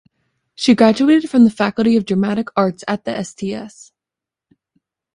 She graduated from the Faculty of Dramatic Arts at the Sts.